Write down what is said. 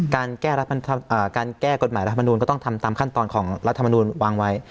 การแก้กฎหมายรัฐมนูลก็ต้องทำตามขั้นตอนของรัฐมนูลวางไว้